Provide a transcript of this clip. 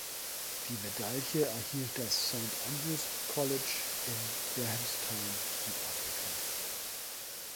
Die Medaille erhielt das Saint Andrew's College in Grahamstown, Südafrika.